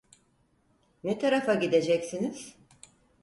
Ne tarafa gideceksiniz?